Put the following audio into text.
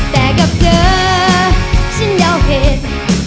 แต่กับเจอฉันยาวเหตุ